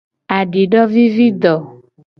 Adidovivido.